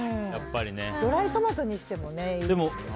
ドライトマトにしてもいいですけどね。